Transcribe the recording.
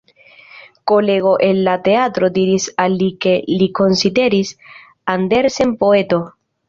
Kolego el la teatro diris al li ke li konsideris Andersen poeto.